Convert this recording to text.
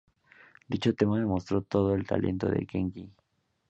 Dicho tema demostró todo el talento de Kenji.